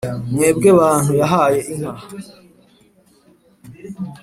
mwebwe bantu yahaye inka